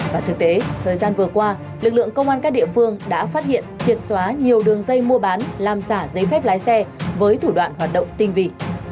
và thực tế thời gian vừa qua lực lượng công an các địa phương đã phát hiện triệt xóa nhiều đường dây mua bán làm giả giấy phép lái xe với thủ đoạn hoạt động tinh vị